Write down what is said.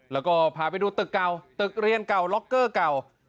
แล้วก็พาไปดูตึกเก่าตึกเรียนเก่าล็อกเกอร์เก่า